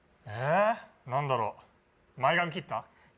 え何だろう前髪切った？